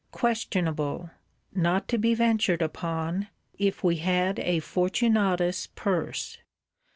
Questionable: not to be ventured upon, if we had a Fortunatus' Purse!